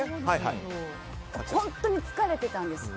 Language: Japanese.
本当に疲れていたんです。